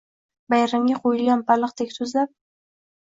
Bayramga qo’yilgan baliqdek tuzlab